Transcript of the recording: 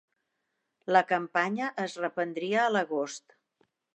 La campanya es reprendria a l'agost.